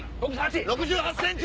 ６８ｃｍ！